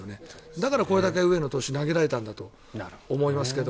だから、これだけ上野投手は投げられたんだと思いますけど。